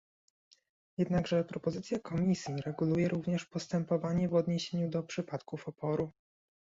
Jednakże propozycja Komisji reguluje również postępowanie w odniesieniu do przypadków oporu